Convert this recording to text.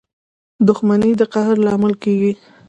• دښمني د قهر لامل کېږي.